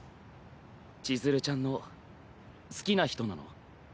ちづるちゃんの好きな人なの？